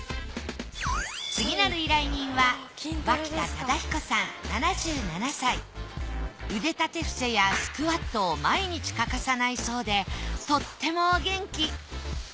次なる依頼人は腕立て伏せやスクワットを毎日欠かさないそうでとってもお元気。